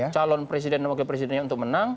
calon presiden dan wakil presidennya untuk menang